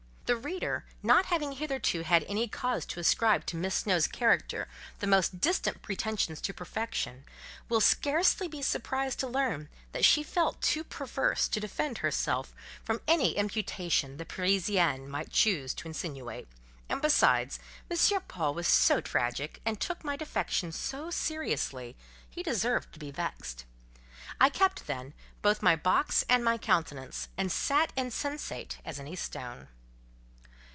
The reader not having hitherto had any cause to ascribe to Miss Snowe's character the most distant pretensions to perfection, will be scarcely surprised to learn that she felt too perverse to defend herself from any imputation the Parisienne might choose to insinuate and besides, M. Paul was so tragic, and took my defection so seriously, he deserved to be vexed. I kept, then, both my box and my countenance, and sat insensate as any stone.